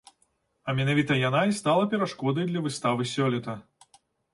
А менавіта яна і стала перашкодай для выставы сёлета.